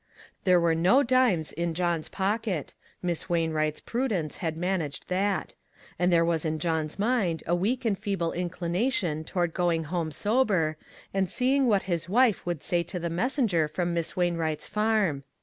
There were no dimes in John's pocket ; Miss Wainwright's prudence had managed that ; and there was in John's mind a weak and feeble inclination toward going home sober, and seeing what his wife would say to the messenger from Miss Wainwright's farm.